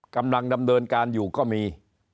กำลังดำเนินการอยู่ก็มี